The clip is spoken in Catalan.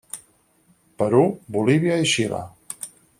Perú, Bolívia i Xile.